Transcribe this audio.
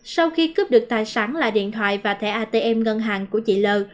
sau khi cướp được tài sản là điện thoại và thẻ atm ngân hàng của chị l